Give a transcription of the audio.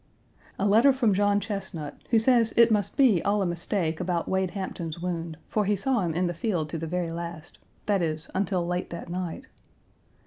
A letter from John Chesnut, who says it must be all a mistake about Wade Hampton's wound, for he saw him in the field to the very last; that is, until late that night.